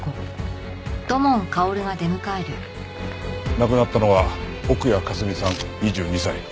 亡くなったのは奥谷香澄さん２２歳。